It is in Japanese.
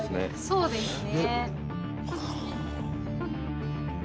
そうですね